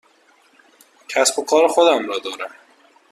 کسب و کار خودم را دارم.